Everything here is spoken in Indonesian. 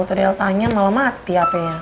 tadi el tanya malah mati hp nya